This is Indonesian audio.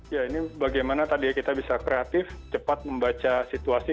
ya ini bagaimana tadi ya kita bisa kreatif cepat membaca situasi